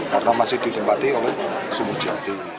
karena masih ditempati oleh semua jati